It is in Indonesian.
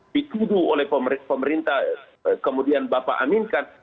dituduh oleh pemerintah kemudian bapak aminkan